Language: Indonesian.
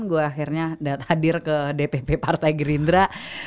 gue akhirnya hadir ke dpp partai gerindra